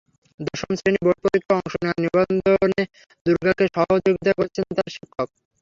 দশম শ্রেণির বোর্ড পরীক্ষায় অংশ নেওয়ার নিবন্ধনে দুর্গাকে সহযোগিতা করছেন তাঁর শিক্ষক।